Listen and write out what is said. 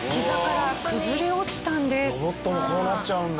ロボットもこうなっちゃうんだ。